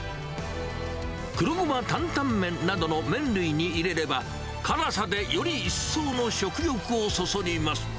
黒ごま担々麺などの麺類に入れれば、辛さでより一層の食欲をそそります。